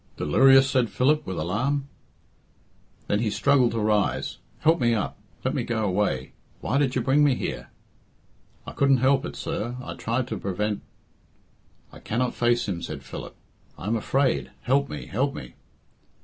"Delirious!" said Philip, with alarm. Then he struggled to rise. "Help me up. Let me go away. Why did you bring me here?" "I couldn't help it, sir. I tried to prevent " "I cannot face him," said Philip. "I am afraid. Help me, help me."